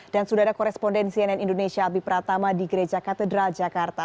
dan sudah ada korespondensi nn indonesia albi pratama di gereja katedral jakarta